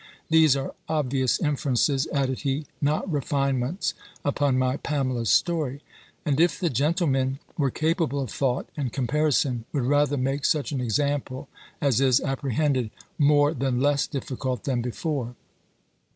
These are obvious inferences," added he, "not refinements upon my Pamela's story; and if the gentlemen were capable of thought and comparison, would rather make such an example, as is apprehended, more than less difficult than before.